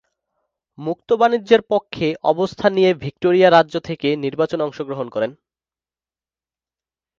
মুক্ত বাণিজ্যের পক্ষে অবস্থান নিয়ে ভিক্টোরিয়া রাজ্য থেকে নির্বাচনে অংশগ্রহণ করেন।